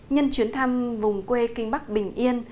nhân chuyến thăm vùng quê kinh bắc bình yên